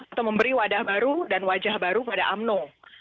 atau memberi wadah baru dan wajah baru pada umno